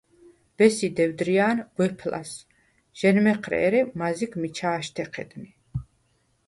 ბესი დევდრია̄ნ გვეფ ლას: ჟ’ენმეჴრე, ერე მაზიგ მიჩა̄შთე ჴედნი.